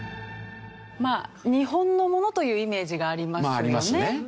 まあ日本のものというイメージがありますよね。ありますね。